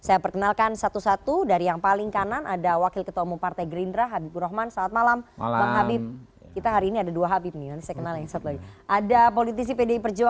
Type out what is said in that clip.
ini yang deril habib ya